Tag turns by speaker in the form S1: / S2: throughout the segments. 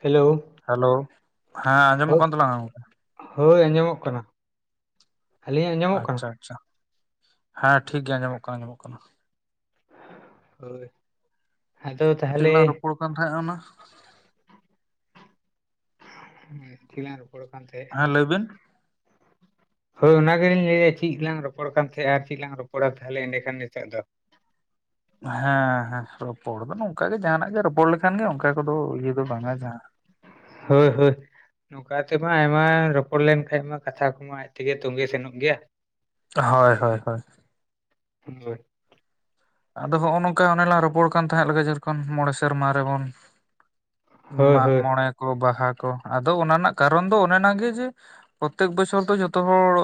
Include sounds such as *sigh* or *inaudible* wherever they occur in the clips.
S1: Hello
S2: hello ᱦᱮᱸ ᱟᱸᱡᱚᱢᱚᱜ
S1: ᱦᱳᱭ
S2: ᱠᱟᱱ ᱛᱟᱞᱟᱝ᱾
S1: ᱦᱳᱭ ᱟᱸᱡᱚᱢᱚᱜ ᱠᱟᱱᱟ᱾ ᱟᱹᱞᱤᱧᱟᱜ ᱟᱸᱡᱚᱢᱚᱜ ᱠᱟᱱᱟ?
S2: ᱟᱪᱪᱷᱟ ᱟᱪᱪᱷᱟ ᱦᱮᱸ ᱴᱷᱤᱠ ᱜᱮᱭᱟ ᱟᱡᱚᱢᱚᱜ ᱠᱟᱱᱟ ᱟᱡᱚᱢᱚᱜ ᱠᱟᱱᱟ᱾
S1: ᱦᱳᱭ ᱟᱫᱚ ᱛᱟ
S2: ᱪᱮᱫ ᱞᱟᱝ ᱨᱚᱯᱚᱲ ᱠᱟᱱ ᱛᱟᱦᱮᱸᱜᱼᱟ ᱚᱱᱟ ᱾
S1: ᱦᱳᱭ ᱪᱮᱞᱟᱝ ᱨᱚᱯᱚᱲ ᱠᱟᱱ ᱛᱟᱦᱮᱸᱫᱼᱟ
S2: ᱦᱮᱸ
S1: ᱾
S2: ᱞᱟᱹᱭ *inaudible*
S1: ᱦᱳᱭ ᱚᱱᱟ ᱜᱮᱞᱤᱧ ᱞᱟᱹᱭᱮᱫ ᱪᱮᱫ ᱞᱟᱝ ᱨᱚᱯᱚᱲ ᱠᱟᱱ ᱛᱟᱦᱮᱸᱫ, ᱟᱨ ᱪᱮᱫ ᱞᱟᱝ ᱨᱚᱯᱚᱲᱟ ᱛᱟᱦᱚᱞᱮ ᱮᱸᱰᱮ ᱠᱷᱟᱱ ᱱᱤᱛᱚᱜ ᱫᱚ ᱾
S2: ᱦᱮᱸ ᱦᱮᱸ ᱨᱚᱯᱚᱲ ᱫᱚ ᱱᱚᱝᱠᱟ ᱜᱮ ᱡᱟᱦᱟᱱᱟᱜ ᱜᱮ ᱨᱚᱯᱚᱲ ᱞᱮᱠᱷᱟᱱ ᱜᱮ, ᱚᱱᱠᱟ ᱠᱚᱫᱚ ᱤᱭᱟᱹ ᱫᱚ ᱵᱟᱝᱼᱟ ᱡᱟᱦᱟᱸ᱾
S1: ᱦᱳᱭ ᱦᱳᱭ ᱾ ᱱᱚᱝᱠᱟ ᱛᱮᱢᱟ ᱟᱭᱢᱟ ᱨᱚᱯᱚᱲ ᱞᱮᱱᱠᱟᱱᱡ ᱢᱟ, ᱠᱟᱛᱷᱟ ᱠᱚᱢᱟ ᱟᱡ ᱛᱮᱜᱮ ᱛᱚᱸᱜᱮ ᱥᱮᱱᱚᱜ ᱜᱮᱭᱟ᱾
S2: ᱦᱳᱭ ᱦᱳᱭ ᱦᱳᱭ ᱾
S1: ᱦᱳᱭ *unintelligible*
S2: ᱟᱫᱚ ᱦᱚᱸᱼᱚ ᱱᱚᱝᱠᱟ ᱚᱱᱮ ᱞᱟᱝ ᱨᱚᱯᱚᱲ ᱠᱟᱱ ᱛᱟᱦᱮᱸᱫ ᱡᱮᱫᱠᱷᱚᱱ ᱢᱚᱬᱮ ᱥᱮᱨᱢᱟ ᱨᱮᱵᱚᱱ
S1: ᱦᱳᱭ
S2: ᱢᱟᱸᱜ
S1: ᱦᱳᱭ
S2: ᱢᱚᱬᱮ ᱠᱚ ᱵᱟᱦᱟ ᱠᱚ, ᱟᱫᱚ ᱚᱱᱟ ᱨᱮᱱᱟᱜ ᱠᱟᱨᱚᱱ ᱫᱚ ᱚᱱᱮ ᱚᱱᱟ ᱜᱮ ᱡᱮ ᱯᱨᱚᱛᱮᱠ ᱵᱚᱪᱷᱚᱨ ᱫᱚ ᱡᱚᱛᱚ ᱦᱚᱲ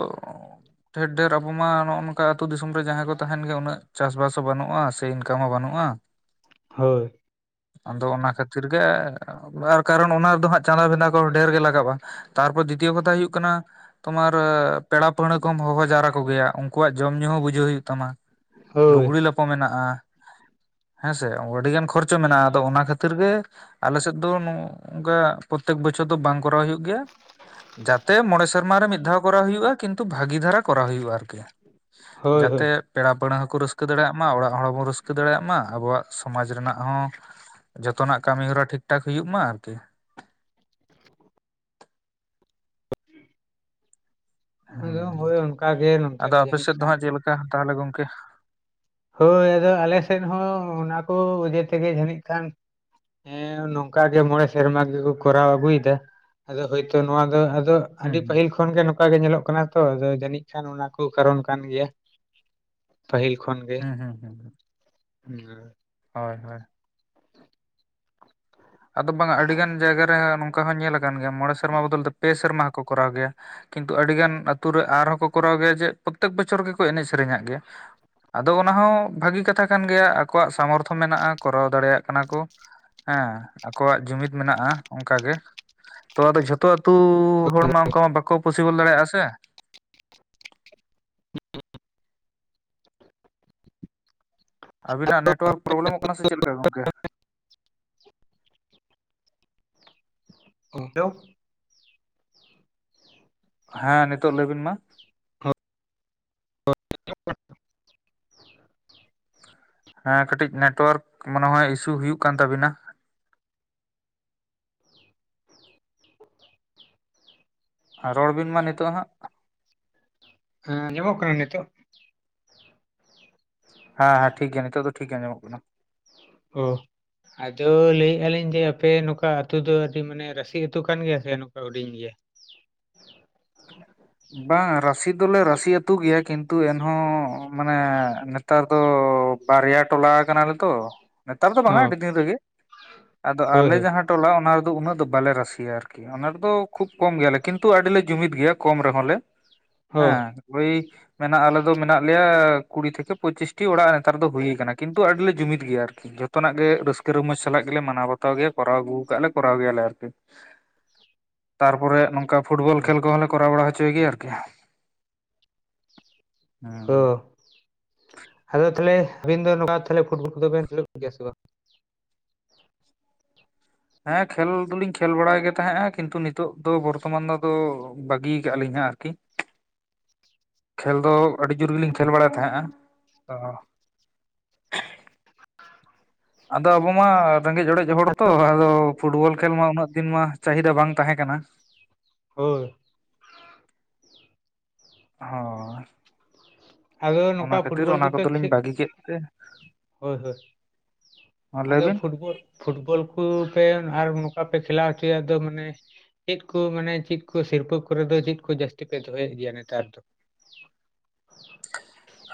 S2: ᱰᱷᱮᱨ ᱰᱷᱮᱨ ᱟᱵᱚ ᱢᱟ ᱱᱚᱜᱼᱚ ᱱᱚᱠᱟ ᱟᱹᱛᱩ ᱫᱤᱥᱚᱢ ᱨᱮ ᱡᱟᱦᱟᱸᱭ ᱠᱚ ᱛᱟᱦᱮᱱ ᱜᱮᱭ ᱩᱱᱟᱹᱜ ᱪᱟᱥᱵᱟᱥ ᱵᱟᱹᱱᱩᱜᱼᱟ ᱥᱮ, ᱤᱱᱠᱟᱢ ᱦᱚᱸ ᱵᱟᱹᱱᱩᱜᱼᱟ᱾
S1: ᱦᱳᱭ᱾
S2: ᱟᱫᱚ ᱚᱱᱟ ᱠᱷᱟᱹᱛᱤᱨ ᱜᱮ ᱟᱨ ᱠᱟᱨᱚᱱ ᱚᱱᱟ ᱨᱮᱫᱚ ᱦᱟᱸᱜ ᱪᱟᱸᱫᱟ ᱵᱷᱮᱸᱫᱟ ᱠᱚ ᱰᱷᱮᱨ ᱜᱮ ᱞᱟᱜᱟᱜᱼᱟ᱾ ᱛᱟᱨᱯᱚᱨ ᱫᱤᱛᱤᱭᱚ ᱠᱟᱛᱷᱟ ᱦᱩᱭᱩᱜ ᱠᱟᱱᱟ, ᱛᱚᱢᱟᱨ ᱯᱮᱲᱟ ᱯᱟᱹᱲᱦᱟᱹ ᱠᱚᱢ ᱦᱚᱸᱦᱚᱸ ᱡᱟᱣᱨᱟ ᱠᱚᱜᱮᱭᱟ, ᱩᱱᱠᱩᱣᱟᱜ ᱡᱚᱢ ᱧᱩᱸ ᱦᱚᱸ ᱵᱩᱡᱷᱟᱹᱣ ᱦᱩᱸᱭᱩᱜ ᱛᱟᱢᱟ ᱾
S1: ᱦᱳᱭ ᱦᱳᱭ
S2: ᱞᱩᱜᱲᱤ ᱞᱟᱯᱚ ᱢᱮᱱᱟᱜᱼᱟ ᱦᱮᱸᱥᱮ ᱾ ᱟᱹᱰᱤᱜᱟᱱ ᱠᱷᱚᱨᱪᱟ ᱪᱚ ᱢᱮᱱᱟᱜᱼᱟ᱾ ᱟᱫᱚ ᱚᱱᱟ ᱠᱷᱟᱹᱛᱤᱨ ᱜᱮ ᱟᱞᱮ ᱥᱮᱫ ᱫᱚ ᱱᱚᱝᱠᱟ ᱯᱨᱚᱛᱮᱠ ᱵᱚᱪᱷᱚᱨ ᱫᱚ ᱵᱟᱝ ᱠᱚᱨᱟᱣ ᱦᱩᱸᱭᱩᱜ ᱜᱮᱭᱟ᱾ ᱡᱟᱛᱮ ᱢᱚᱬᱮ ᱥᱮᱨᱢᱟ ᱨᱮ ᱢᱤᱫ ᱫᱷᱟᱹᱣ ᱠᱚᱨᱟᱣ ᱦᱩᱭᱩᱜᱼᱟ᱾ ᱠᱤᱱᱛᱩ ᱵᱷᱟᱹᱜᱤ ᱫᱷᱟᱹᱨᱟ ᱠᱚᱨᱟᱣ ᱦᱩᱭᱩᱜᱼᱟ ᱟᱨᱠᱤ ᱾
S1: ᱦᱳᱭ ᱦᱳᱭ,
S2: ᱡᱟᱛᱮ ᱯᱮᱲᱟ ᱯᱟᱹᱲᱦᱟᱹ ᱦᱚᱸᱠᱚ ᱨᱟᱹᱥᱠᱟᱹ ᱫᱟᱲᱮ ᱭᱟᱜ ᱢᱟ ᱚᱲᱟᱜ ᱦᱚᱲ ᱵᱚᱱ ᱨᱟᱹᱥᱠᱟᱹ ᱫᱟᱲᱮᱭᱟᱜ ᱢᱟ, ᱟᱵᱚᱣᱟᱜ ᱥᱚᱢᱟᱡᱽ ᱨᱮᱱᱟᱜ ᱦᱚᱸ ᱡᱷᱚᱛᱚᱱᱟᱜ ᱠᱟᱹᱢᱤ ᱦᱚᱨᱟ ᱴᱷᱤᱠ ᱴᱷᱟᱠ ᱦᱩᱭᱩᱜ ᱢᱟ ᱟᱨᱠᱤ᱾
S1: ᱟᱫᱚ
S2: ᱦᱮᱸ,
S1: ᱦᱳᱭ ᱚᱱᱠᱟ ᱜᱮ ᱱᱚᱱᱛᱮ
S2: ᱟᱫᱚ
S1: ᱦᱚᱸ
S2: ᱟᱯᱮ
S1: ᱡᱟᱹᱱᱤᱡ
S2: ᱥᱮᱫ ᱫᱚ
S1: ᱠᱷᱟᱱ
S2: ᱦᱟᱸᱜ ᱪᱮᱫ ᱞᱮᱠᱟ ᱛᱟᱦᱚᱞᱮ ᱜᱚᱝᱠᱮ?
S1: ᱦᱳᱭ ᱟᱫᱚ ᱟᱞᱮ ᱥᱮᱫ ᱦᱚᱸ ᱚᱱᱟ ᱠᱚ ᱚᱡᱮ ᱛᱮᱜᱮ ᱡᱟᱹᱱᱤᱡ ᱠᱷᱟᱱ ᱾ ᱦᱮᱸ ᱱᱚᱝᱠᱟ ᱜᱮ ᱢᱚᱬᱮ ᱥᱮᱨᱢᱟ ᱜᱮᱠᱚ ᱠᱚᱨᱟᱣ ᱟᱹᱜᱩᱭᱮᱫᱟ ᱾ ᱟᱫᱚ ᱦᱳᱭᱛᱚ ᱱᱚᱣᱟ ᱫᱚ ᱟᱫᱚ ᱟᱹᱰᱤ
S2: ᱦᱩᱸ
S1: ᱯᱟᱹᱦᱤᱞ ᱠᱷᱚᱱ ᱾ ᱠᱷᱚᱱ ᱜᱮ ᱱᱚᱝᱠᱟ ᱜᱮ ᱧᱮᱞᱚᱜ ᱠᱟᱱᱟ ᱛᱚ, ᱡᱟᱹᱱᱤᱡ ᱠᱷᱟᱱ ᱚᱱᱟ ᱠᱚ ᱠᱟᱨᱚᱱ ᱠᱟᱱ ᱜᱮᱭᱟ ᱾ ᱯᱟᱹᱦᱤᱞ ᱠᱷᱚᱱ ᱠᱷᱚᱱ ᱜᱮ,
S2: ᱦᱩᱸ ᱦᱩᱸ ᱦᱩᱸ ᱦᱩᱸ
S1: ᱦᱮᱸ᱾
S2: ᱦᱳᱭ ᱦᱳᱭ ᱾ ᱟᱫᱚ ᱵᱟᱝᱼᱟ, ᱟᱹᱰᱤ ᱜᱟᱱ ᱡᱟᱭᱜᱟ ᱨᱮ ᱱᱚᱝᱠᱟ ᱦᱚᱸ ᱧᱮᱞ ᱟᱠᱟᱱ ᱜᱮᱭᱟ ᱢᱚᱬᱮ ᱥᱮᱨᱢᱟ ᱵᱚᱫᱚᱞ ᱛᱮ ᱯᱮ ᱥᱮᱨᱢᱟ ᱦᱚᱸᱠᱚ ᱠᱚᱨᱟᱣ ᱜᱮᱭᱟ᱾ ᱠᱤᱱᱛᱩ ᱟᱹᱰᱤ ᱜᱟᱱ ᱟᱹᱛᱩ ᱨᱮ ᱟᱨᱦᱚᱸ ᱠᱚ ᱠᱚᱨᱟᱣ ᱜᱮᱭᱟ, ᱡᱮ ᱯᱨᱚᱛᱮᱠ ᱵᱚᱪᱷᱚᱨ ᱜᱮᱠᱚ ᱮᱱᱮᱡ ᱥᱮᱨᱮᱧᱟᱜ ᱜᱮᱭᱟ᱾ ᱟᱫᱚ ᱚᱱᱟ ᱦᱚᱸ ᱵᱷᱟᱹᱜᱤ ᱠᱟᱛᱷᱟ ᱠᱟᱱ ᱜᱮᱭᱟ᱾ ᱟᱠᱚᱣᱟᱜ ᱥᱟᱢᱚᱨᱛᱷᱚ ᱢᱮᱱᱟᱜᱼᱟ, ᱠᱚᱨᱟᱣ ᱫᱟᱲᱮᱭᱟᱜ ᱠᱟᱱᱟ ᱠᱚ᱾ ᱦᱮᱸ᱾ ᱟᱠᱚᱣᱟᱜ ᱡᱩᱢᱤᱫ ᱢᱮᱱᱟᱜᱼᱟ ᱚᱱᱠᱟ ᱜᱮ, ᱛᱚ ᱟᱫᱚ ᱡᱷᱚᱛᱚ ᱟᱹᱛᱩ ᱦᱚᱲ ᱢᱟ ᱚᱱᱠᱟ ᱢᱟ ᱵᱟᱠᱚ ᱯᱚᱥᱤᱵᱚᱞ ᱫᱟᱲᱮᱭᱟᱜᱼᱟ ᱥᱮ ᱾ ᱟᱵᱤᱱᱟᱜ ᱱᱮᱴᱳᱣᱟᱨᱠ ᱯᱨᱚᱵᱽᱞᱮᱢᱚᱜ ᱠᱟᱱᱟ ᱥᱮ, ᱪᱮᱫ ᱞᱮᱠᱟ ᱜᱚᱝᱠᱮ?
S1: ᱦᱮᱸ ᱪᱚ *unintelligible*
S2: ᱦᱮᱸ, ᱱᱤᱛᱚᱜ ᱞᱟᱹᱭ ᱵᱤᱱ ᱢᱟ ᱾
S1: *unintelligible*
S2: ᱦᱮᱸ, ᱠᱟᱹᱴᱤᱡ ᱱᱮᱴᱚᱣᱟᱨᱠ ᱢᱚᱱᱮ ᱦᱚᱭ ᱤᱥᱩ ᱦᱩᱭᱩᱜ ᱠᱟᱱ ᱛᱟᱵᱤᱱᱟ᱾ ᱨᱚᱲ ᱵᱤᱱ ᱢᱟ ᱱᱤᱛᱚᱜ ᱦᱟᱸᱜ᱾
S1: ᱦᱮᱸ ᱟᱸᱡᱚᱢᱚᱜ ᱠᱟᱱᱟ ᱱᱤᱛᱚᱜ?
S2: ᱦᱮᱸ ᱦᱮᱸ ᱴᱷᱤᱠ ᱜᱮᱭᱟ ᱱᱤᱛᱚᱜ ᱫᱚ ᱴᱷᱤᱠ ᱜᱮ ᱟᱡᱚᱢᱚᱜ ᱠᱟᱱᱟ᱾
S1: ᱚ ᱾ ᱟᱫᱚ ᱞᱟᱹᱭᱮᱜ ᱟᱹᱞᱤᱧ ᱡᱮ ᱟᱯᱮ ᱱᱚᱝᱠᱟ ᱟᱹᱛᱩ ᱫᱚ ᱟᱹᱰᱤ ᱢᱟᱱᱮ ᱨᱟᱹᱥᱤ ᱟᱹᱛᱩ ᱠᱟᱱ ᱜᱮᱭᱟ ᱥᱮ ᱱᱚᱝᱠᱟ ᱦᱩᱰᱤᱧ ᱜᱮᱭᱟ?
S2: ᱵᱟᱝᱟ ᱨᱟᱥᱤ ᱫᱚᱞᱮ ᱨᱟᱥᱤ ᱟᱹᱛᱩ ᱜᱮᱭᱟ, ᱠᱤᱱ ᱛᱩ ᱮᱱᱦᱚᱸ ᱢᱟᱱᱮ ᱱᱮᱛᱟᱨ ᱫᱚ ᱵᱟᱨᱭᱟ ᱴᱚᱞᱟ ᱟᱠᱟᱱᱟᱞᱮ ᱛᱚ᱾ ᱱᱮᱛᱟᱨ ᱫᱚ
S1: ᱚ
S2: ᱵᱟᱝᱟ ᱟᱹᱰᱤ ᱫᱤᱱ ᱨᱮᱜᱮ, ᱟᱫᱚ
S1: ᱦᱳᱭ
S2: ᱟᱞᱮ ᱡᱟᱦᱟᱸ ᱴᱚᱞᱟ ᱚᱱᱟ ᱨᱮᱫᱚ ᱩᱱᱟᱹᱜ ᱫᱚ ᱵᱟᱞᱮ ᱨᱟᱥᱤᱭᱟ ᱟᱨᱠᱤ, ᱚᱱᱟ ᱨᱮᱫᱚ ᱠᱷᱩᱵ ᱠᱚᱢ ᱜᱮᱭᱟᱞᱮ ᱠᱤᱱᱛᱩ ᱟᱹᱰᱤᱞᱮ ᱡᱩᱢᱤᱫ ᱜᱮᱭᱟ ᱾ ᱠᱚᱢ ᱨᱮᱦ ᱞᱮ,
S1: ᱦᱳᱭ
S2: ᱦᱮᱸ ᱳᱭ ᱢᱮᱱᱟᱜ ᱟᱞᱮ ᱫᱚ ᱢᱮᱱᱟᱜ ᱞᱮᱭᱟ ᱠᱩᱲᱤ ᱛᱷᱮᱠᱮ ᱯᱚᱸᱪᱤᱥᱴᱤ ᱚᱲᱟᱜ ᱱᱮᱛᱟᱨ ᱫᱚ ᱦᱩᱭ ᱠᱟᱱᱟ, ᱠᱤᱱᱛᱩ ᱟᱹᱰᱤᱞᱮ ᱡᱩᱢᱤᱫ ᱜᱮᱭᱟ ᱟᱨᱠᱤ᱾ ᱡᱚᱛᱚᱱᱟᱜ ᱜᱮ ᱨᱟᱹᱥᱠᱟᱹ ᱨᱚᱢᱚᱡᱽ ᱥᱟᱞᱟᱜ ᱜᱮᱞᱮ ᱢᱟᱱᱟᱣ ᱵᱟᱛᱟᱣ ᱜᱮᱭᱟ ᱠᱚᱨᱟᱣ ᱟᱹᱜᱩ ᱠᱟᱜ ᱟᱞᱮ ᱠᱚᱨᱟᱣ ᱜᱮᱭᱟᱞᱮ ᱟᱨᱠᱤ ᱾ ᱛᱟᱨᱯᱚᱨᱮ ᱱᱚᱝᱠᱟ ᱯᱷᱩᱴᱵᱚᱞ
S1: ᱚ
S2: ᱠᱷᱮᱞ ᱠᱚᱦᱚᱸᱞᱮ ᱠᱚᱨᱟᱣ ᱵᱟᱲᱟ ᱦᱚᱪᱚᱭ ᱜᱮᱭᱟ ᱟᱨᱠᱤ᱾ ᱦᱩᱸ
S1: ᱦᱚ, ᱟᱫᱚ ᱛᱟᱦᱚᱞᱮ ᱟᱵᱤᱱ ᱫᱚ ᱱᱚᱠᱟ ᱯᱷᱩᱴᱵᱚᱞ ᱠᱚᱫᱚ ᱵᱤᱱ ᱠᱷᱮᱞᱚᱜ ᱜᱮᱭᱟ ᱥᱮ ᱵᱟ?
S2: ᱦᱮᱸ ᱠᱷᱮᱞ ᱫᱩᱞᱤᱧ ᱠᱷᱮᱞ ᱵᱟᱲᱟᱭ ᱜᱮ ᱛᱟᱦᱮᱸᱜᱼᱟ, ᱠᱤᱱᱛᱩ ᱱᱤᱛᱚᱜ ᱫᱚ ᱵᱚᱨᱛᱚᱢᱟᱱ ᱫᱚ ᱟᱫᱚ ᱵᱟᱹᱜᱤᱭ ᱟᱠᱟᱜ ᱟᱹᱞᱤᱧ ᱦᱟᱸᱜ ᱾ ᱟᱨᱠᱤ ᱠᱷᱮᱞ ᱫᱚ ᱟᱹᱰᱤ ᱡᱳᱨ ᱜᱮᱞᱤᱧ ᱠᱷᱮᱞ ᱵᱟᱲᱟᱭ ᱛᱟᱦᱮᱸᱜᱼᱟ ᱛᱚ ᱟᱫᱚ ᱟᱵᱚ ᱢᱟ ᱨᱮᱸᱜᱮᱡ ᱚᱲᱮᱡ ᱦᱚᱲ ᱛᱚ, ᱟᱫᱚ ᱯᱷᱩᱴᱵᱚᱞ ᱠᱷᱮᱞ ᱢᱟ ᱩᱱᱟᱹᱜ ᱫᱤᱱ ᱢᱟ ᱪᱟᱹᱦᱤᱫᱟ ᱵᱟᱝ ᱛᱟᱦᱮᱸ ᱠᱟᱱᱟ᱾
S1: ᱦᱳᱭ ᱾
S2: ᱦᱳᱭ ᱾
S1: ᱟᱫᱚ ᱱᱚᱝᱠᱟ ᱯᱷᱩᱴᱵᱚᱞ ᱠᱚᱯᱮ
S2: ᱠᱚᱫᱚᱞᱤᱧ
S1: ᱠᱷᱮᱜ
S2: ᱵᱟᱹᱜᱤ ᱠᱮᱫ ᱛᱮ
S1: ᱦᱳᱭ ᱦᱳᱭ
S2: ᱢᱟ
S1: ᱾
S2: ᱞᱟᱹᱭ
S1: ᱟᱫᱚ
S2: ᱵᱤᱱ
S1: ᱯᱷᱩᱴᱵᱚᱞ ᱯᱷᱩᱴᱵᱚᱞ ᱠᱩᱯᱮ ᱟᱨ ᱱᱚᱝᱠᱟ ᱯᱮ ᱠᱷᱮᱞᱟ ᱦᱚᱪᱚᱭᱟ ᱟᱫᱚ ᱢᱟᱱᱮ ᱪᱮᱫ ᱠᱚ ᱢᱟᱱᱮ ᱪᱮᱫ ᱠᱚ ᱥᱤᱨᱯᱟᱹ ᱠᱚᱨᱮ ᱫᱚ ᱪᱮᱫ ᱠᱚ ᱡᱟᱹᱥᱛᱤ ᱯᱮ ᱫᱚᱦᱚᱭᱮᱫ ᱜᱮᱭᱟ ᱱᱮᱛᱟᱨ ᱫᱚ?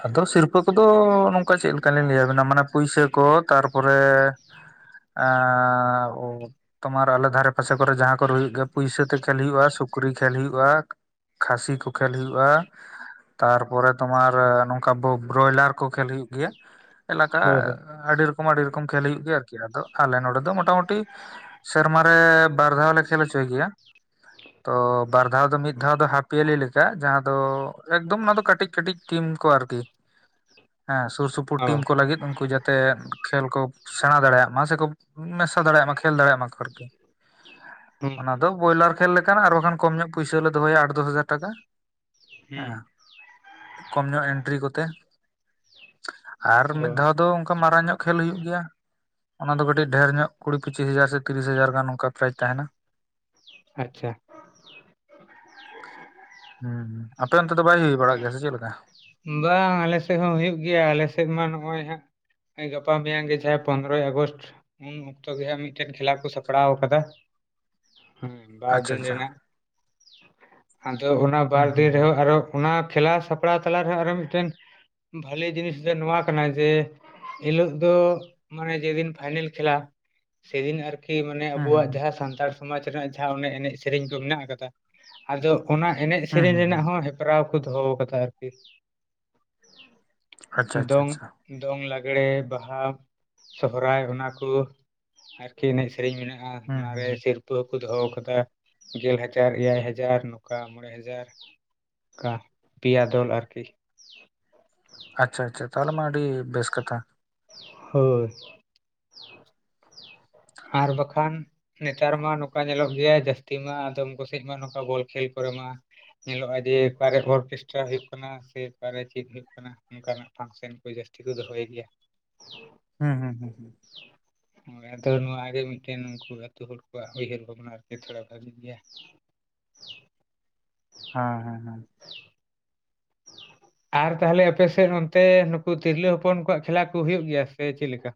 S2: ᱟᱫᱚ ᱥᱤᱨᱯᱟᱹ ᱠᱚᱫᱚ ᱱᱚᱝᱠᱟ ᱪᱮᱫ ᱞᱮᱠᱟ ᱞᱤᱧ ᱞᱟᱹᱭᱟᱵᱤᱱᱟ ᱢᱟᱱᱮ ᱯᱩᱭᱥᱟᱹ ᱠᱚ ᱛᱟᱨᱯᱚᱨᱮ ᱟᱻ ᱚ ᱛᱚᱢᱟᱨ ᱟᱞᱮ ᱫᱷᱟᱨᱮ ᱯᱟᱥᱮ ᱠᱚᱨᱮ ᱡᱟᱦᱟᱸ ᱠᱚᱨᱮ ᱦᱩᱭᱩᱜ ᱜᱮ ᱯᱩᱭᱥᱟᱹ ᱛᱮ ᱠᱷᱮᱞ ᱦᱩᱭᱩᱜᱼᱟ ᱥᱩᱠᱨᱤ ᱠᱷᱮᱞ ᱦᱩᱭᱩᱜ ᱟ ᱠᱷᱟᱥᱤ ᱠᱚ ᱠᱷᱮᱞ ᱦᱩᱭᱩᱜᱼᱟ, ᱛᱟᱨᱯᱚᱨᱮ ᱛᱳᱢᱟᱨ *inaudible* ᱱᱚᱝᱠᱟ ᱵᱚ-ᱵᱨᱚᱭᱞᱟᱨ ᱠᱚ ᱠᱷᱮᱞ ᱦᱩᱭᱩᱜ ᱜᱮᱭᱟ, ᱮᱞᱟᱠᱟ
S1: ᱦᱳᱭ ᱦᱳᱭ
S2: ᱟᱹᱰᱤ ᱨᱚᱠᱚᱢ ᱟᱹᱰᱤ ᱨᱚᱠᱚᱢ ᱠᱷᱮᱞ ᱦᱩᱭᱩᱜ ᱜᱮᱭᱟ ᱟᱨᱠᱤ, ᱟᱫᱚ ᱟᱞᱮ ᱱᱚᱰᱮ ᱫᱚ *inaudible* ᱫᱚ ᱢᱳᱴᱟᱢᱩᱴᱤ ᱥᱮᱨᱢᱟ ᱨᱮ ᱵᱟᱨ ᱫᱷᱟᱣ ᱞᱮ ᱠᱷᱮᱞ ᱦᱚᱪᱚᱭ ᱜᱮᱭᱟ ᱾ ᱛᱚ ᱵᱟᱨ ᱫᱷᱟᱣ ᱫᱚ ᱢᱤᱫ ᱫᱷᱟᱣ ᱫᱚ ᱦᱟᱹᱯᱤᱭᱟᱞᱤ ᱞᱮᱠᱟ ᱡᱟᱦᱟᱸ ᱫᱚ ᱮᱠᱫᱚᱢ ᱚᱱᱟ ᱫᱚ ᱠᱟᱹᱴᱤᱡ ᱠᱟᱹᱴᱤᱡ ᱴᱤᱢ ᱠᱚ ᱟᱨᱠᱤ, ᱦᱮᱸ ᱥᱩᱨ ᱥᱩᱯᱩᱨ
S1: ᱚ
S2: ᱴᱤᱢ ᱠᱚ ᱞᱟᱹᱜᱤᱫ ᱩᱱᱠᱩ ᱡᱟ ᱛᱮ ᱠᱷᱮᱞ ᱠᱚ ᱥᱮᱬᱟ ᱫᱟᱲᱮᱭᱟᱜ ᱢᱟ ᱥᱮᱠᱚ ᱢᱮᱥᱟ ᱫᱟᱲᱮᱭᱟᱜ ᱢᱟ ᱠᱷᱮᱞ ᱫᱟᱲᱮᱭᱟᱜ ᱢᱟᱠᱚ ᱟᱨᱠᱤ ᱾
S1: ᱦᱩᱸ
S2: ᱚᱱᱟ
S1: ᱦᱩᱸ
S2: ᱫᱚ ᱵᱚᱭᱞᱟᱨ ᱠᱷᱮᱞ ᱞᱮᱠᱟᱱᱟᱜ ᱟᱨ ᱵᱟᱠᱷᱟᱱ ᱠᱚᱢ ᱧᱚᱜ ᱯᱩᱭᱥᱟᱹ ᱦᱚᱞᱮ ᱫᱚᱦᱚᱭᱟ ᱟᱴ ᱫᱚᱥ ᱦᱟᱡᱟᱨ ᱴᱟᱠᱟ ᱾
S1: ᱦᱩᱸ
S2: ᱦᱮᱸ ᱾ ᱠᱚᱢ ᱧᱚᱜ ᱮᱱᱴᱨᱤ ᱠᱚᱛᱮ ᱟᱨ
S1: ᱚ
S2: ᱢᱤᱫ ᱫᱷᱟᱣ ᱫᱚ ᱚᱝᱠᱟ ᱢᱟᱨᱟᱝ ᱧᱚᱜ ᱠᱷᱮᱞ ᱦᱩᱭᱩᱜ ᱜᱮᱭᱟ ᱾ ᱚᱱᱟ ᱫᱚ ᱠᱟᱹᱴᱤᱡ ᱰᱷᱮᱨ ᱧᱚᱜ ᱠᱩᱲᱤ ᱯᱩᱪᱤᱥ ᱦᱟᱡᱟᱨ ᱥᱮ ᱛᱤᱨᱤᱥ ᱦᱟᱡᱟᱨ ᱜᱟᱱ ᱱᱚᱝᱠᱟ ᱯᱨᱟᱭᱤᱡ ᱛᱟᱦᱮᱱᱟ ᱾
S1: ᱟᱪᱪᱷᱟ ᱾
S2: ᱦᱩᱸ, ᱟᱯᱮ ᱚᱱᱛᱮ ᱫᱚ ᱵᱟᱭ ᱦᱩᱭ ᱵᱟᱲᱟᱜ ᱜᱮᱭᱟ ᱥᱮ ᱪᱮᱫ ᱞᱮ
S1: ᱵᱟᱝ ᱟᱞᱮ ᱥᱮᱫ ᱦᱚᱸ ᱦᱩᱭᱩᱜ ᱜᱮᱭᱟ, ᱟᱞᱮ ᱥᱮᱫ ᱢᱟ ᱱᱚᱜᱼᱚᱭ ᱦᱟᱸᱜ ᱦᱮᱸ ᱜᱟᱯᱟ ᱢᱮᱭᱟᱝ ᱜᱮ ᱡᱟᱦᱟᱸᱭ ᱯᱚᱱᱫᱽᱨᱚᱭ ᱟᱜᱚᱥᱴ ᱩᱱ ᱚᱠᱛᱚ ᱜᱮ ᱦᱟᱸᱜ ᱢᱤᱫᱴᱮᱱ ᱠᱷᱮᱞᱟ ᱠᱚ ᱥᱟᱯᱲᱟᱣ ᱠᱟᱫᱟ ᱾ ᱦᱮᱸ ᱵᱟᱨ
S2: ᱟᱪᱪᱷᱟ
S1: ᱫᱤᱱ
S2: ᱟᱪᱪᱷᱟ
S1: ᱨᱮᱱᱟᱜ, ᱟᱫᱚ ᱚᱱᱟ ᱵᱟᱨ
S2: ᱦᱩᱸ ᱦᱩᱸ
S1: ᱫᱤᱱ ᱨᱮᱦᱚᱸ ᱟᱨᱚ ᱚᱱᱟ ᱠᱷᱮᱞᱟ ᱥᱟᱯᱲᱟᱣ ᱛᱟᱞᱟ ᱨᱮᱦᱚᱸ ᱟᱨᱚ ᱢᱤᱫᱴᱮᱱ ᱵᱷᱟᱞᱮ ᱡᱤᱱᱤᱥ ᱫᱚ ᱱᱚᱣᱟ ᱠᱟᱱᱟ ᱡᱮ ᱤᱱ ᱦᱤᱞᱳᱜ ᱫᱚ ᱢᱟᱱᱮ ᱡᱮᱫᱤᱱ ᱯᱷᱟᱭᱱᱮᱞ ᱠᱷᱮᱞᱟ ᱥᱮᱫᱤᱱ ᱟᱨ ᱠᱤ ᱢᱟᱱᱮ
S2: ᱦᱩᱸ
S1: ᱟᱵᱚᱣᱟᱜ
S2: ᱦᱩᱸ
S1: ᱡᱟᱦᱟᱸ ᱥᱟᱱᱛᱟᱲ ᱥᱚᱢᱟᱡᱽ ᱨᱮᱱᱟᱜ ᱡᱟᱦᱟᱸ ᱚᱱᱮ ᱮᱱᱮᱡ ᱥᱮᱨᱮᱧ ᱠᱚ ᱢᱮᱱᱟᱜ ᱟᱠᱟᱫᱟ᱾ ᱟᱫᱚ ᱚᱱᱟ ᱮᱱᱮᱡ
S2: ᱦᱩᱸ
S1: ᱥᱮᱨᱮᱧ
S2: ᱦᱩᱸ
S1: ᱨᱮᱱᱟᱜ
S2: ᱦᱩᱸ
S1: ᱦᱚᱸ ᱦᱮᱯ ᱯᱨᱟᱣ ᱠᱚ ᱫᱚᱦᱚᱣ ᱟᱠᱟᱫᱟ ᱟᱨᱠᱤ᱾
S2: ᱟᱪᱪᱷᱟ ᱟᱪᱪᱷᱟ
S1: ᱫᱚᱝ
S2: ᱟᱪᱪᱷᱟ
S1: ᱫᱚᱝ ᱞᱟᱜᱽᱬᱮ, ᱵᱟᱦᱟ, ᱥᱚᱦᱨᱟᱭ ᱚᱱᱟ ᱠᱚ ᱟᱨᱠᱤ ᱮᱱᱮᱡ ᱥᱮᱨᱮᱧ ᱢᱮᱱᱟᱜᱼᱟ᱾ ᱟ
S2: ᱦᱩᱸ
S1: ᱚᱱᱟᱨᱮ
S2: ᱦᱩᱸ
S1: ᱥᱤᱨᱯᱟᱹ ᱦᱚᱠᱚ ᱫᱚᱦᱚ ᱟᱠᱟᱫᱟ ᱜᱮᱞ ᱦᱟᱡᱟᱨ, ᱮᱭᱟᱭ ᱦᱟᱡᱟᱨ ᱱᱚᱝᱠᱟ ᱢᱚᱬᱮ ᱦᱟᱡᱟᱨ᱾ ᱠᱟ ᱯᱤᱭᱟ ᱫᱚᱞ ᱟᱨᱠᱤ᱾
S2: ᱟᱪᱪᱷᱟ ᱟᱪᱪᱷᱟ ᱛᱟᱦᱚᱞᱮ ᱢᱟ ᱟᱹᱰᱤ ᱵᱮᱥ ᱠᱟᱛᱷᱟ᱾
S1: ᱦᱳᱭ᱾ ᱟᱨ ᱵᱟᱠᱷᱟᱱ ᱱᱮᱛᱟᱨ ᱢᱟ ᱱᱚᱝᱠᱟ ᱧᱮᱞᱚᱜ ᱜᱮᱭᱟ ᱡᱟᱹᱥᱛᱤ ᱢᱟ ᱟᱫᱚᱢ ᱠᱚᱥᱮᱡ ᱢᱟ ᱱᱚᱝᱠᱟ ᱵᱚᱞ ᱠᱷᱮᱞ ᱠᱚᱨᱮ ᱢᱟ ᱧᱮᱞᱚᱜᱼᱟ ᱡᱮ ᱚᱠᱟᱨᱮ ᱚᱨᱠᱮᱥᱴᱨᱟ ᱦᱳᱭᱩᱜ ᱠᱟᱱᱟ ᱥᱮ ᱚᱠᱟᱨᱮ ᱪᱮᱫ ᱦᱳᱭᱳᱜ ᱠᱟᱱᱟ᱾ ᱚᱱᱠᱟᱱᱟᱜ ᱯᱷᱟᱱᱥᱮᱱ ᱠᱚ ᱡᱟᱹᱥᱛᱤ ᱠᱚ ᱫᱚᱦᱚᱭ ᱜᱮᱭᱟ᱾
S2: ᱦᱩᱸ ᱦᱩᱸ ᱦᱩᱸ ᱦᱩᱸ᱾
S1: ᱦᱳᱭ ᱟᱨ ᱟᱫᱚ ᱱᱚᱣᱟᱜᱮ ᱢᱤᱫᱴᱮᱱ ᱩᱱᱠᱩ ᱟᱹᱛᱩ ᱦᱚᱲ ᱠᱚᱣᱟᱜ ᱩᱭᱦᱟᱹᱨ ᱵᱷᱟᱵᱽᱱᱟ ᱟᱨᱠᱤ ᱛᱷᱳᱲᱟ ᱵᱷᱟᱹᱜᱤ ᱜᱮᱭᱟ᱾
S2: *inaudible* ᱦᱚᱸ ᱦᱮᱸ ᱦᱮᱸ᱾
S1: ᱟᱨ ᱛᱟᱦᱚᱞᱮ ᱟᱯᱮᱥᱮᱫ ᱱᱚᱱᱛᱮ ᱱᱩᱠᱩ ᱛᱤᱨᱞᱟᱹ ᱦᱚᱯᱚᱱ ᱠᱚᱣᱟᱜ ᱠᱷᱮᱞᱟ ᱠᱚ ᱦᱩᱭᱩᱜ ᱜᱮᱭᱟ ᱥᱮ ᱪᱮᱫ ᱞᱮᱠᱟ?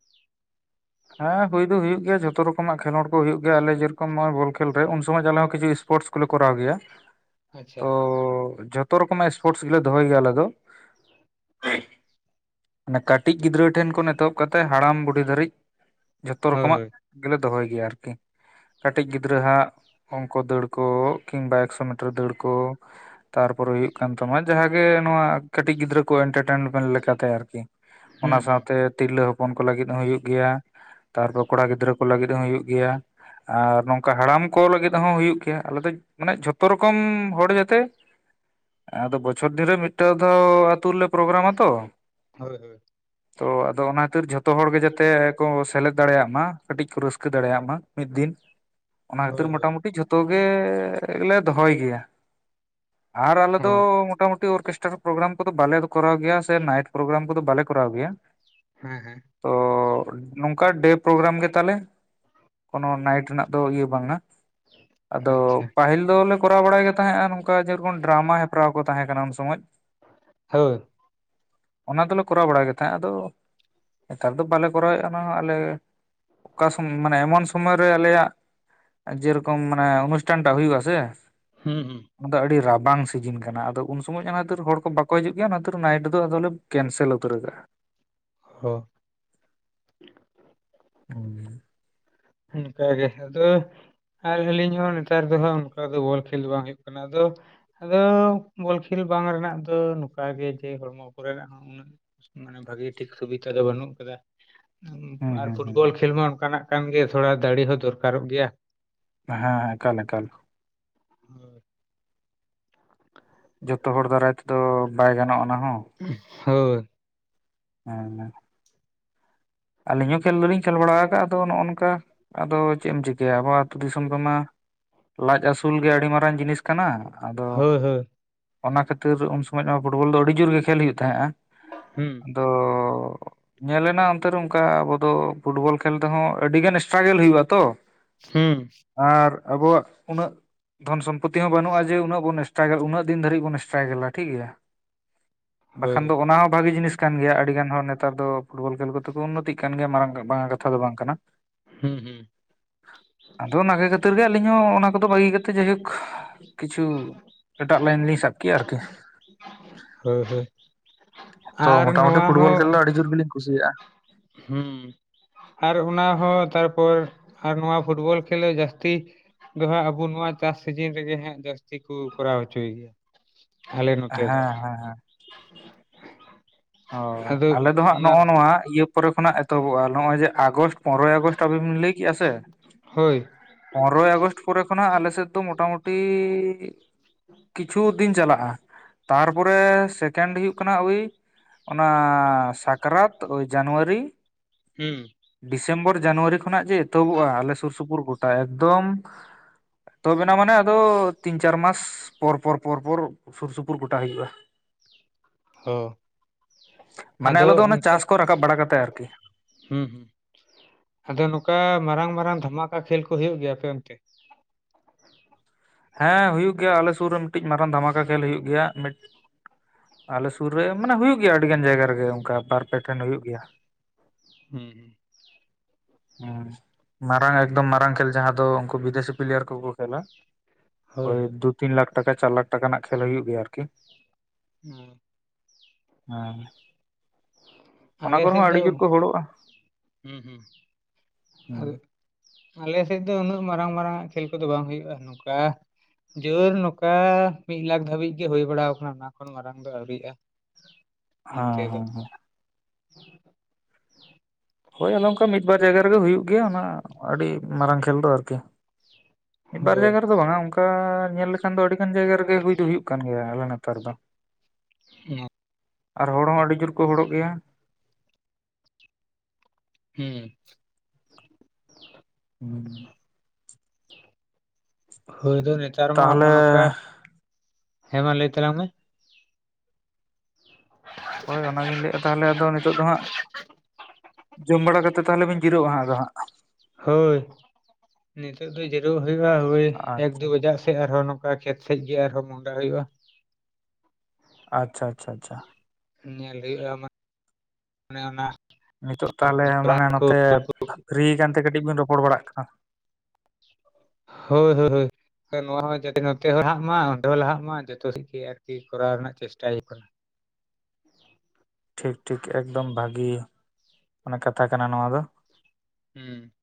S2: ᱦᱮᱸ ᱦᱩᱭ ᱫᱚ ᱦᱩᱭᱩᱜ ᱜᱮᱭᱟ ᱡᱚᱛᱚ ᱨᱚᱠᱚᱢᱟᱜ ᱠᱷᱮᱞᱳᱰ ᱠᱚ ᱦᱩᱭᱩᱜ ᱜᱮᱭᱟ ᱟᱨ ᱞᱮ ᱡᱮᱨᱚᱠᱚᱢ ᱱᱚ-ᱚᱭ ᱵᱚᱞ ᱠᱷᱮᱞ ᱨᱮ, ᱩᱱ ᱥᱚᱢᱚᱭ ᱟᱞᱮ ᱦᱚᱸᱚᱸ ᱠᱤᱪᱷᱩ ᱤᱥ ᱯᱳᱨᱴᱥ ᱠᱚᱞᱮ ᱠᱚᱨᱟᱣ ᱜᱮᱭᱟ
S1: ᱟᱪᱪᱷᱟ
S2: ᱛᱚ ᱡᱚᱛᱚ ᱨᱚᱠᱚᱢᱟᱜ ᱥᱯᱳᱨᱴᱥ ᱜᱮᱞᱮ ᱫᱚᱦᱚᱭ ᱜᱮᱭᱟ ᱟᱞᱮ ᱫᱚ᱾ ᱢᱟᱱᱮ ᱠᱟᱹᱴᱤᱡ ᱜᱤᱫᱽᱨᱟᱹ ᱴᱷᱮᱱ ᱠᱷᱚᱱ ᱮᱛᱚᱦᱚᱵ ᱠᱟᱛᱮ ᱦᱟᱲᱟᱢ ᱵᱩᱰᱷᱤ ᱫᱷᱟᱹᱨᱤᱡ᱾ ᱡᱚᱛᱚ
S1: ᱦᱳᱭ
S2: ᱨᱚᱠᱚᱢᱟᱜ
S1: ᱦᱳᱭ
S2: ᱜᱮᱞᱮ ᱫᱚᱦᱚᱭ ᱜᱮᱭᱟ ᱟᱨᱠᱤ᱾ ᱠᱟᱹᱴᱤᱡ ᱜᱤᱫᱽᱨᱟᱹ ᱦᱟᱸᱜ ᱚᱝᱠᱚ ᱫᱟᱹᱲ ᱠᱚ ᱠᱤᱢᱵᱟ ᱮᱠᱥᱳ ᱢᱤᱴᱟᱨ ᱫᱟᱹᱲ ᱠᱚ᱾ ᱛᱟᱨᱯᱚᱨᱮ ᱦᱩᱭᱩᱜ ᱠᱟᱱ ᱛᱟᱢᱟ ᱡᱟᱦᱟᱸᱜᱮ ᱱᱚᱣᱟ ᱠᱟᱹᱴᱤᱡ ᱜᱤᱫᱽᱨᱟᱹ ᱠᱚ ᱮᱱᱴᱟᱨᱴᱮᱱᱢᱮᱱᱴ ᱞᱮᱠᱟᱛᱮ ᱟᱨᱠᱤ᱾ ᱚᱱᱟ
S1: ᱦᱩᱸ ᱦᱩᱸ
S2: ᱥᱟᱶᱛᱮ ᱛᱤᱨᱞᱟᱹ ᱦᱚᱯᱚᱱ ᱠᱚ ᱞᱟᱹᱜᱤᱫ ᱦᱚᱸ ᱦᱩᱭᱩᱜ ᱜᱮᱭᱟ᱾ ᱛᱟᱨᱯᱚᱨ ᱠᱚᱲᱟ ᱜᱤᱫᱽᱨᱟᱹ ᱠᱚ ᱞᱟᱹᱜᱤᱫ ᱦᱚᱸ ᱦᱩᱭᱩᱜ ᱜᱮᱭᱟ ᱟᱨ ᱱᱚᱝᱠᱟ ᱦᱟᱲᱟᱢ ᱠᱚ ᱞᱟᱹᱜᱤᱫ ᱦᱚᱸ ᱦᱩᱭᱩᱜ ᱜᱮᱭᱟ, ᱟᱞᱮ ᱫᱚ ᱢᱟᱱᱮ ᱡᱚᱛᱚ ᱨᱚᱠᱚᱢ ᱦᱚᱲ ᱡᱟᱛᱮ ᱟᱫᱚ ᱵᱚᱪᱷᱚᱨ ᱫᱷᱤᱱᱨᱮ ᱢᱤᱫᱴᱟᱣ ᱫᱷᱚ ᱟᱛᱳ ᱨᱮᱞᱮ ᱯᱨᱚᱜᱽᱨᱟᱢᱟ ᱛᱚ᱾
S1: ᱦᱳᱭ ᱦᱳᱭ
S2: ᱛᱚ ᱟᱫᱚ ᱚᱱᱟ ᱠᱷᱟᱹᱛᱤᱨ ᱡᱚᱛᱚ ᱦᱚᱲ ᱜᱮ ᱡᱟᱛᱮ ᱠᱚ ᱥᱮᱞᱮᱫ ᱫᱟᱲᱮᱭᱟᱜ ᱢᱟ, ᱠᱟᱹᱴᱤᱡ ᱠᱚ ᱨᱟᱹᱥᱠᱟᱹ ᱫᱟᱲᱮᱭᱟᱜ ᱢᱟ ᱢᱤᱫ ᱫᱤᱱ᱾ ᱚᱱᱟ ᱠᱷᱟᱹᱛᱤᱨ
S1: ᱦᱳᱭ ᱦᱳᱭ
S2: ᱢᱚᱴᱟᱢᱩᱴᱤ ᱡᱷᱚᱛᱚ ᱛᱚ ᱜᱮ ᱜᱮᱞᱮ ᱫᱚᱦᱚᱭ ᱜᱮᱭᱟ ᱟᱨ ᱟᱞᱮ ᱫᱚ
S1: ᱚ
S2: ᱢᱳᱴᱟᱢᱩᱴ ᱴᱤ ᱚᱨᱠᱮᱥᱴᱨᱟ ᱯᱨᱳᱜᱽᱨᱟᱢ ᱠᱚᱫᱚ ᱵᱟᱞᱮ ᱠᱚᱟᱣ ᱜᱮᱭᱟ ᱥᱮ ᱱᱟᱭᱤᱴ ᱯᱨᱳᱜᱨᱟᱢ ᱠᱚᱫᱚ ᱵᱟᱞᱮ ᱠᱚᱟᱣ ᱜᱮᱭᱟ᱾
S1: ᱦᱮᱸ ᱦᱮᱸ᱾
S2: ᱛᱚ ᱱᱚᱝᱠᱟ ᱰᱮ ᱯᱨᱳᱜᱨᱟᱢ ᱜᱮ ᱛᱟᱞᱮ, ᱠᱳᱱᱳ ᱱᱟᱭᱤᱴ ᱨᱮᱱᱟᱜ ᱫᱚ ᱤᱭᱟᱹ ᱵᱟᱝᱼᱟ᱾ ᱟᱫᱚ
S1: ᱟᱪᱪᱷᱟ
S2: ᱯᱟᱹᱦᱤᱞ ᱫᱚ ᱞᱮ ᱠᱚᱨᱟᱣ ᱵᱟᱲᱟᱭ ᱜᱮ ᱛᱟᱦᱮᱸᱜᱼᱟ ᱱᱚᱝᱠᱟ ᱡᱮᱨᱚᱠᱚᱢ ᱰᱨᱟᱢᱟ ᱦᱮᱯᱨᱟᱣ ᱠᱚ ᱛᱟᱦᱮᱸ ᱠᱟᱱᱟ ᱩᱱ ᱥᱚᱢᱚᱡ᱾
S1: *unintelligible*
S2: ᱚᱱᱟ ᱫᱚᱞᱮ ᱠᱚᱨᱟᱣ ᱵᱟᱲᱭ ᱜᱮ ᱛᱟᱦᱮᱸᱫ ᱟᱫᱚ ᱱᱮᱛᱟᱨ ᱫᱚ ᱵᱟᱞᱮ ᱠᱚᱨᱟᱣᱮᱫ-ᱟ᱾ ᱠᱟᱱᱟ ᱟᱞᱮ ᱚᱠᱟ ᱥᱚᱢᱚᱭ ᱢᱟᱱᱮ ᱮᱢᱚᱱ ᱥᱚᱢᱚᱭ ᱨᱮ ᱟᱞᱮᱭᱟᱜ ᱟ ᱡᱮᱨᱚᱠᱚᱢ ᱢᱟᱱᱮ ᱚᱱᱩᱥᱴᱷᱟᱱ ᱴᱟᱜ ᱦᱩᱭᱩᱜ-ᱟ ᱥᱮ
S1: ᱦᱩᱸ ᱦᱩᱸ᱾
S2: ᱚᱱᱟᱫᱚ ᱟᱹᱰᱤ ᱨᱟᱵᱟᱝ ᱥᱤᱡᱤᱱ ᱠᱟᱱᱟ᱾ ᱟᱫᱚ ᱩᱱ ᱥᱚᱢᱚᱡ ᱚᱱᱟ ᱠᱷᱟᱛᱤᱨ ᱦᱚᱲ ᱠᱚ ᱵᱟᱠᱚ ᱦᱤᱡᱩᱜ ᱜᱮᱭᱟ᱾ ᱚᱱᱟ ᱠᱷᱟᱛᱤᱨ ᱱᱟᱭᱤᱴ ᱫᱚ ᱟᱫᱚᱞᱮ ᱠᱮᱱᱥᱮᱞ ᱩᱛᱟᱹᱨ ᱠᱟᱜᱼᱟ᱾
S1: ᱦᱚ᱾
S2: *unintelligible*
S1: ᱚᱱᱠᱟᱜᱮ ᱟᱫᱚᱼ ᱟᱨ ᱟᱹᱞᱤᱧ ᱦᱚᱸ ᱱᱮᱛᱟᱨ ᱫᱚ ᱦᱟᱸᱜ ᱚᱱᱠᱟ ᱫᱚ ᱵᱚᱞ ᱠᱷᱮᱞ ᱫᱚ ᱵᱟᱝ ᱦᱳᱭᱳᱜ ᱠᱟᱱᱟ ᱟᱫᱚ ᱟᱫᱚ ᱵᱚᱞ ᱠᱷᱮᱞ ᱵᱟᱝ ᱨᱮᱱᱟᱜ ᱫᱚ ᱱᱚᱝᱠᱟ ᱜᱮ ᱡᱮ ᱦᱚᱲᱢᱚ ᱠᱚᱨᱮᱱᱟᱜ ᱦᱚᱸ ᱩᱱᱟᱹᱜ ᱢᱟᱱᱮ ᱵᱷᱟᱜᱮ ᱴᱷᱤᱠ ᱥᱩᱵᱤᱫᱷᱟ ᱫᱚ ᱵᱟᱹᱱᱩᱜ ᱠᱟᱫᱟ᱾
S2: ᱦᱩᱸ
S1: ᱟᱨ
S2: ᱦᱩᱸ ᱦᱩᱸ
S1: ᱯᱷᱩᱴᱵᱚᱞ ᱠᱷᱮᱞ ᱢᱟ ᱚᱱᱠᱟᱱᱟᱜ ᱠᱟᱱ ᱜᱮ ᱛᱷᱚᱲᱟ ᱫᱟᱲᱮ ᱦᱚᱸ ᱫᱚᱨᱠᱟᱨᱚᱜ ᱜᱮᱭᱟ᱾
S2: ᱦᱮᱸ ᱦᱮᱸ ᱮᱠᱟᱞ ᱮᱠᱟᱞ᱾
S1: *unintelligible*
S2: ᱡᱚᱛᱚ ᱦᱚᱲ ᱫᱟᱨᱟᱭ ᱛᱮᱫᱚ ᱵᱟᱭ ᱜᱟᱱᱚᱜᱼᱟ ᱚᱱᱟ ᱦᱚᱸ᱾
S1: ᱦᱳᱭ,
S2: *unintelligible* ᱟᱹᱞᱤᱧ ᱦᱚᱸ ᱠᱷᱮᱞ ᱫᱚᱞᱤᱧ ᱠᱷᱮᱞ ᱵᱟᱲᱟ ᱟᱠᱟᱫᱼᱟ ᱟᱫᱚ ᱱᱚᱜᱼᱚ ᱱᱚᱝᱠᱟ ᱟᱫᱚ ᱪᱮᱫ ᱮᱢ ᱪᱤᱠᱟᱹᱭᱟ ᱟᱵᱚ ᱟᱹᱛᱩ ᱫᱤᱥᱚᱢ ᱨᱮᱢᱟ ᱞᱟᱡ ᱟᱹᱥᱩᱞ ᱜᱮ ᱟᱹᱰᱤ ᱢᱟᱨᱟᱝ ᱡᱤᱱᱤᱥᱼ ᱠᱟᱱᱟ᱾ ᱟᱫᱚ
S1: ᱦᱳᱭ ᱦᱳᱭ
S2: ᱚᱱᱟ ᱠᱷᱟᱹᱛᱤᱨ ᱩᱱ ᱥᱚᱢᱚᱭ ᱢᱟ ᱯᱷᱩᱴᱵᱚᱞ ᱫᱚ ᱟᱹᱰᱤ ᱡᱩᱨ ᱜᱮ ᱠᱷᱮᱞ ᱦᱩᱭᱩᱜ ᱛᱟᱦᱮᱸᱜᱼᱟ᱾
S1: ᱦᱩᱸ
S2: ᱫᱚ ᱧᱮᱞᱱᱟ *unintelligible* ᱚᱱᱠᱟ ᱟᱵᱚ ᱫᱚ ᱯᱷᱩᱴᱵᱚᱞ ᱠᱷᱮᱞ ᱨᱮᱦᱚᱸ ᱟᱹᱰᱤ ᱜᱟᱱ ᱥᱴᱨᱟᱜᱮᱞ ᱦᱩᱭᱩᱜᱼᱟ ᱛᱚ᱾
S1: ᱦᱩᱸᱻ
S2: ᱟᱨ ᱟᱵᱚᱣᱟᱜ ᱩᱱᱟᱹᱜ ᱫᱷᱚᱱ ᱥᱚᱢᱯᱚᱛᱛᱤ ᱦᱚᱸ ᱵᱟᱹᱱᱩᱜᱼᱟ ᱡᱮ ᱩᱱᱟᱹᱜ ᱵᱚᱱ ᱥᱴᱨᱟᱭ ᱩᱱᱟᱹ ᱫᱤᱱ ᱫᱷᱟᱵᱤᱡ ᱵᱚᱱ ᱥᱴᱨᱟᱭᱜᱮᱞᱟ᱾ ᱴᱷᱤᱠᱜᱮᱭᱟ᱾ ᱵᱟᱠᱷᱟᱱ
S1: ᱦᱳᱭ
S2: ᱫᱚ ᱚᱱᱟ ᱦᱚᱸ ᱵᱷᱟᱜᱮ ᱡᱤᱱᱤᱥ ᱠᱟᱱ ᱜᱮᱭᱟ ᱟᱹᱰᱤ ᱜᱟᱱ ᱦᱚᱲ ᱱᱮᱛᱟᱨ ᱫᱚ ᱯᱷᱩᱴᱵᱚᱞ ᱠᱷᱮᱞ ᱠᱚ ᱛᱮᱠᱚ ᱩᱱᱱᱚᱛᱤᱜ ᱠᱟᱱ ᱜᱮᱭᱟ ᱢᱟᱨᱟᱝ ᱢᱟᱨᱟᱝ ᱠᱟᱛᱷᱟ ᱫᱚ ᱵᱟᱝ ᱠᱟᱱᱟ᱾
S1: ᱦᱩᱸ ᱦᱩᱸ
S2: ᱟᱫᱚ ᱚᱱᱟᱱᱟᱜᱮ ᱠᱷᱟᱹᱛᱤᱨ ᱜᱮ ᱟᱹᱞᱤᱧ ᱦᱚᱸ ᱚᱱᱟ ᱠᱚᱫᱚ ᱵᱟᱹᱜᱤ ᱠᱟᱛᱮᱫ ᱡᱟᱭᱦᱳᱠ ᱠᱤᱪᱷᱩ ᱮᱴᱟᱜ ᱞᱟᱭᱤᱱ ᱞᱤᱧ ᱥᱟᱵ ᱠᱮᱫᱼᱟ ᱟᱨᱠᱤ᱾
S1: ᱦᱳᱭ ᱦᱳᱭ,
S2: ᱛᱚ
S1: ᱟᱨ
S2: ᱢᱚᱴᱟᱢᱩᱴᱤ
S1: ᱱᱚᱣᱟ
S2: ᱯᱷᱩᱴᱵᱚᱞ ᱠᱷᱮᱞ ᱫᱚ ᱟᱹᱰᱤ ᱡᱳᱨ ᱜᱮᱞᱤᱧ ᱠᱩᱥᱤᱭᱟᱜᱼᱟ᱾
S1: ᱦᱩᱸᱻ ᱟᱨ ᱚᱱᱟ ᱦᱚᱸ ᱛᱟᱨᱯᱚᱨ ᱟᱨ ᱱᱚᱣᱟ ᱯᱷᱩᱴᱵᱚᱞ ᱠᱷᱮᱞ ᱦᱚᱸ ᱡᱟᱹᱥᱛᱤ ᱫᱚ ᱦᱟᱸᱜ ᱟᱵᱚ ᱱᱚᱣᱟ ᱪᱟᱥ ᱥᱤᱡᱤᱱ ᱨᱮᱜᱮ ᱦᱟᱸᱜ ᱡᱟᱹᱥᱛᱤ ᱠᱚ ᱠᱚᱨᱟᱣ ᱦᱚᱪᱚᱭ ᱜᱮᱭᱟ᱾ ᱟᱞᱮ ᱱᱚᱛᱮ ᱫᱚ
S2: ᱦᱮᱸ
S1: *inaudible*
S2: ᱦᱮᱸ ᱦᱮᱸ ᱦᱳᱭ ᱟᱞᱮ
S1: ᱟᱫᱚ
S2: ᱫᱚ ᱦᱟᱸᱜ
S1: ᱚᱱᱟ
S2: ᱱᱚᱜᱼᱚ ᱱᱚᱣᱟ ᱤᱭᱟᱹ ᱯᱚᱨᱮ ᱠᱷᱚᱱᱟᱜ ᱮᱛᱚᱦᱚᱵᱚᱜᱼᱟ ᱱᱚᱜᱼᱚᱭ ᱡᱮ ᱟᱜᱚᱥᱴ ᱯᱚᱱᱨᱚᱭ ᱟᱜᱚᱥᱴ ᱟᱵᱤᱱ ᱵᱤᱱ ᱞᱟᱹᱭ ᱠᱮᱜᱼᱟ ᱥᱮ
S1: ᱦᱳᱭ,
S2: ᱯᱚᱱᱨᱚᱭ ᱟᱜᱚᱥᱴ ᱯᱚᱨᱮ ᱠᱷᱚᱱᱟᱜ ᱟᱞᱮ ᱥᱮᱫ ᱫᱚ ᱢᱚᱴᱟᱢᱩᱴᱤ ᱠᱤᱪᱷᱩ ᱫᱤᱱ ᱪᱟᱞᱟᱜᱼᱟ, ᱛᱟᱨᱯᱚᱨᱮ ᱥᱮᱠᱮᱱᱰ ᱦᱩᱭᱩᱜᱭ ᱠᱟᱱᱟ ᱳᱭ ᱚᱱᱟ ᱥᱟᱠᱨᱟᱛ ᱳᱭ ᱡᱟᱱᱩᱣᱟᱨᱤ
S1: ᱦᱩᱸ
S2: ᱰᱤᱥᱮᱢᱵᱚᱨ ᱡᱟᱱᱩᱣᱟᱨᱤ ᱠᱷᱚᱱᱟᱜ ᱡᱮ ᱮᱛᱚᱦᱚᱵᱚᱜᱼᱟ ᱟᱞᱮ ᱥᱩᱨ ᱥᱩᱯᱩᱨ ᱜᱳᱚᱴᱟ ᱮᱠᱫᱚᱢ ᱮᱛᱚᱦᱚᱵ ᱮᱱᱟ ᱢᱟᱱᱮ ᱟᱫᱚ ᱛᱤᱱ ᱪᱟᱨ ᱢᱟᱥ ᱯᱚᱨ ᱯᱚᱨ ᱯᱚᱨ ᱯᱚᱨ ᱥᱩᱨ ᱥᱩᱯᱩᱨ ᱜᱚᱴᱟ ᱦᱩᱭᱩᱜᱼᱟ᱾
S1: ᱦᱳ,
S2: ᱢᱟᱱᱮ ᱟᱞᱮ ᱫᱚ ᱚᱱᱟ ᱪᱟᱥ ᱠᱚ ᱨᱟᱠᱟᱵ ᱵᱟᱲᱟ ᱠᱟᱛᱮ ᱟᱨᱠᱤ᱾
S1: ᱦᱩᱸ ᱦᱩᱸ, ᱟᱫᱚ ᱱᱚᱝᱠᱟ ᱢᱟᱨᱟᱝ ᱢᱟᱨᱟᱝ ᱫᱷᱟᱢᱟᱠᱟ ᱠᱷᱮᱞ ᱠᱚ ᱦᱩᱭᱩᱜ ᱜᱮᱭᱟ ᱟᱯᱮ ᱚᱱᱛᱮ?
S2: ᱦᱮᱸ ᱦᱩᱭᱩᱜ ᱜᱮᱭᱟ ᱟᱞᱮ ᱥᱩᱨ ᱨᱮ ᱢᱤᱫᱴᱤᱡ ᱢᱟᱨᱟᱝ ᱫᱷᱟᱢᱟᱠᱟ ᱠᱷᱮᱞ ᱦᱩᱭᱩᱜ ᱜᱮᱭᱟ ᱢᱤᱫ ᱟᱞᱮ ᱥᱩᱨ ᱨᱮ ᱢᱟᱱᱮ ᱦᱩᱭᱩᱜ ᱜᱮᱭᱟ ᱟᱹᱰᱤ ᱜᱟᱱ ᱡᱟᱭᱜᱟ ᱨᱮᱜᱮ ᱚᱱᱠᱟ ᱵᱟᱨ ᱯᱮ ᱴᱷᱮᱱ ᱦᱩᱭᱩᱜ ᱜᱮᱭᱟ ᱾
S1: ᱦᱩᱸ ᱦᱩᱸ
S2: ᱦᱩᱸ ᱢᱟᱨᱟᱝ ᱮᱠᱫᱚᱢ ᱢᱟᱨᱟᱝ ᱠᱷᱮᱞ ᱡᱟᱦᱟᱸ ᱫᱚ ᱩᱱᱠᱩ ᱵᱤᱫᱮᱥᱤ ᱯᱤᱞᱮᱭᱟᱨ ᱠᱚᱠᱚ ᱠᱷᱮᱞᱟ ᱾
S1: ᱦᱳᱭ
S2: ᱳᱭ
S1: ᱦᱳᱭ
S2: ᱫᱩ ᱛᱤᱱ ᱞᱟᱠ ᱴᱟᱠᱟ ᱪᱟᱨ ᱞᱟᱠ ᱴᱟᱠᱟ ᱨᱮᱱᱟᱜ ᱠᱷᱮᱞ ᱦᱩᱭᱩᱜ ᱜᱮᱭᱟ ᱟᱨᱠᱤ᱾
S1: *unintelligible*
S2: ᱦᱮᱸ ᱚᱱᱟ
S1: ᱟᱞᱮ
S2: ᱠᱚᱨᱮ ᱦᱚᱸ
S1: ᱥᱮᱫ
S2: ᱟᱹᱰᱤ ᱡᱳᱨ
S1: ᱦᱩᱸ
S2: ᱠᱚ ᱦᱚᱲᱚᱜᱼᱟ
S1: ᱦᱩᱸ ᱟᱨ
S2: ᱦᱮᱸ
S1: ᱟᱞᱮ ᱥᱮᱫ ᱫᱚ ᱩᱱᱟᱹᱜ ᱢᱟᱨᱟᱝ ᱢᱟᱨᱟᱝ ᱟᱜ ᱠᱷᱮᱞ ᱠᱚᱫᱚ ᱵᱟᱝ ᱦᱩᱭᱩᱜ-ᱟ, ᱱᱚᱝᱠᱟ ᱡᱳᱨ ᱱᱚᱝᱠᱟ ᱢᱤᱫ ᱞᱟᱠᱷ ᱫᱷᱟᱹᱵᱤᱡ ᱜᱮ ᱦᱩᱭ ᱵᱟᱲᱟ ᱟᱠᱟᱱᱟ ᱚᱱᱟ ᱾ ᱚᱠᱷᱚᱱ ᱢᱟᱨᱟᱝ ᱫᱚ ᱟᱹᱣᱨᱤᱭᱟᱜ-ᱟ᱾
S2: ᱦᱟᱸ *unintelligible*
S1: *unintelligible*
S2: ᱦᱳᱭ ᱟᱞᱮ ᱚᱱᱠᱟ ᱢᱤᱫ ᱵᱟᱨ ᱡᱟᱭᱜᱟ ᱨᱮᱜᱮ ᱦᱩᱭᱩᱜ ᱜᱮᱭᱟ ᱚᱱᱟ ᱟᱹᱰᱤ ᱢᱟᱨᱟᱝ ᱠᱷᱮᱞ ᱫᱚ ᱟᱨᱠᱤ ᱾ ᱢᱤᱫ ᱵᱟᱨ
S1: ᱦᱳᱭ
S2: ᱡᱟᱭᱜᱟ ᱨᱮᱫᱚ ᱵᱟᱝᱟ ᱚᱱᱠᱟ ᱧᱮᱞ ᱞᱮᱠᱷᱟᱱ ᱫᱚ ᱟᱹᱰᱤ ᱜᱟᱱ ᱡᱟᱭᱜᱟ ᱨᱮᱜᱮ ᱦᱩᱭ ᱫᱚ ᱦᱩᱭᱩᱜ ᱠᱟᱱ ᱜᱮᱭᱟ ᱟᱞᱮ ᱱᱚᱛᱮ ᱨᱮ ᱫᱚ,
S1: *unintelligible*
S2: ᱟᱨ ᱦᱚᱲ ᱦᱚᱸ ᱟᱹᱰᱤ ᱡᱳᱨ ᱠᱚ ᱦᱚᱲᱚᱜ ᱜᱮᱭᱟ ᱾
S1: ᱦᱩᱸᱢ
S2: *inaudible*
S1: ᱦᱳᱭ ᱫᱚ ᱱᱮᱛᱟᱨ ᱢᱟ
S2: ᱛᱟᱦᱚᱞᱮ
S1: ᱦᱚᱸ-ᱚ ᱱᱚᱝᱠᱟ ᱦᱮᱸ ᱢᱟ ᱞᱟᱹᱭ ᱛᱟᱞᱟᱝ ᱢᱮ, *unintelligible*
S2: ᱦᱳᱭ ᱚᱱᱟᱜᱤᱧ ᱞᱟᱹᱭ ᱮᱟ ᱛᱟᱦᱚᱞᱮ ᱟᱫᱚ ᱱᱤᱛᱚᱜ ᱫᱚ ᱦᱟᱸᱜ ᱡᱚᱢ ᱵᱟᱲᱟ ᱠᱟᱛᱮ ᱛᱟᱦᱚᱞᱮ ᱵᱤᱱ ᱡᱤᱨᱟᱹᱜᱟᱸ ᱟᱫᱚ ᱦᱟᱸᱜ
S1: ᱦᱳᱭ ᱱᱤᱛᱳᱜ ᱫᱚ ᱡᱮᱨᱩᱣ ᱦᱩᱭᱩᱜ-ᱟ ᱦᱳᱭ ᱮᱠ
S2: ᱟᱪᱪᱷᱟ
S1: ᱫᱩ ᱵᱟᱡᱟᱜ ᱥᱮᱫ ᱟᱨᱦᱚᱸ ᱚᱱᱠᱟ ᱠᱷᱮᱛ ᱥᱮᱡ ᱜᱮ ᱟᱨᱦᱚᱸ ᱢᱩᱚᱦᱰᱟ ᱦᱩᱭᱩᱜ-ᱟ,
S2: ᱟᱪᱪᱷᱟ ᱟᱪᱪᱷᱟ ᱟᱪᱪᱷᱟ᱾
S1: ᱧᱮᱞ ᱦᱩᱭᱩᱜ-ᱟ ᱟᱢᱟᱜ ᱚᱱᱮ ᱚᱱᱟ
S2: ᱱᱤᱛᱚᱜ ᱛᱟᱦᱚᱞᱮ
S1: ᱛᱚᱞᱟ
S2: ᱢᱟᱱᱮ
S1: ᱠᱚ
S2: ᱱᱚᱛᱮ ᱯᱷᱨᱤ ᱟᱠᱟᱱᱛᱮ ᱠᱟᱹᱴᱤᱡ ᱵᱤᱱ ᱨᱚᱯᱚᱲ ᱵᱟᱲᱟᱜ ᱠᱟᱱᱟ ᱾
S1: ᱦᱳᱭ ᱦᱳᱭ ᱦᱳᱭ᱾ ᱱᱚᱣᱟ ᱦᱚᱸ ᱡᱟᱛᱮ ᱱᱚᱛᱮ ᱦᱚᱸ ᱞᱟᱦᱟᱜ ᱢᱟ ᱚᱸᱰᱮ ᱦᱚᱸ ᱞᱟᱦᱟᱜ ᱢᱟ ᱡᱚᱛᱚ ᱥᱡ ᱜᱮ ᱟᱨᱠᱤ ᱠᱚᱨᱟᱣ ᱨᱮᱱᱟᱜ ᱪᱮᱥᱴᱟᱭ ᱦᱩᱭᱩᱜ ᱠᱟᱱᱟ ᱾
S2: ᱴᱷᱤᱠ ᱴᱷᱤᱠ ᱮᱠᱫᱚᱢ ᱵᱷᱟᱜᱤ ᱢᱟᱱᱮ ᱠᱟᱛᱷᱟ ᱠᱟᱱᱟ ᱱᱚᱣᱟ ᱫᱚ᱾
S1: ᱦᱩᱸ,